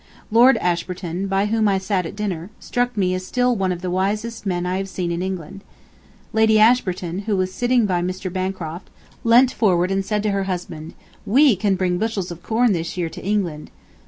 Lord Ashburton, by whom I sat at dinner, struck me as still one of the wisest men I have seen in England. Lady Ashburton, who was sitting by Mr. Bancroft, leant forward and said to her husband, "We can bring bushels of corn this year to England."